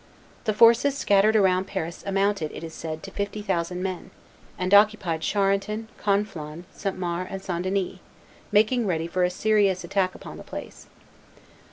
The forces scattered around Paris amounted, it is said, to fifty thousand men, and occupied Charenton, Conflans, St. Maur, and St. Denis, making ready for a serious attack upon the place.